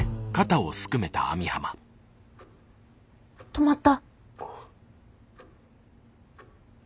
止まった。